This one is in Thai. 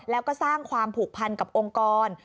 แล้วก็สร้างความผูกพันกับองค์กร